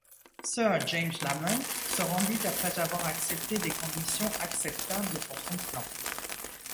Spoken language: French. Sir James Lamont se rendit après avoir accepté des conditions acceptables pour son clan.